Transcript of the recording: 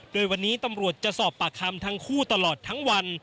โดยวันนี้ตำรวจจะสอบปากคำทั้งคู่ตลอดทั้งวัน